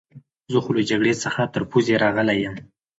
زه خو له جګړې څخه تر پوزې راغلی یم.